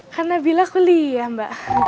karena bila kuliah mbak